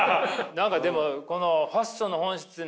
何かでもファッションの本質何？